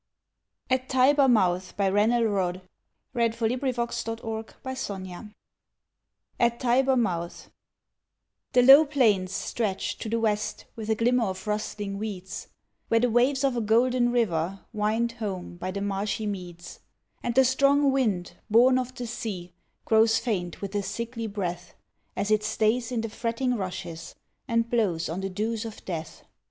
lace gate Is so hard to see, We two must wait For the angel's key. AT TIBER MOUTH The low plains stretch to the west with a glimmer of rustling weeds, Where the waves of a golden river wind home by the marshy meads; And the strong wind born of the sea grows faint with a sickly breath, As it stays in the fretting rushes and blows on the dews of death.